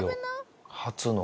初の。